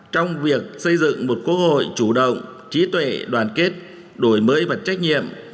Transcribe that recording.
trong việc xây dựng một quốc hội chủ động trí tuệ đoàn kết đổi mới và trách nhiệm